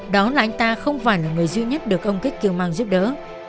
đó là anh ta không phải là người duy nhất được ông kích kiều mang giúp đỡ